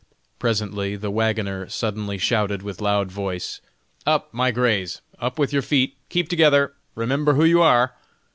Presently the wagoner suddenly shouted with loud voice, "Up, my grays, up with your feet, keep together! remember who you are!"